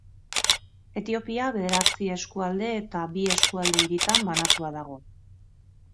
Etiopia bederatzi eskualde eta bi eskualde-hiritan banatua dago.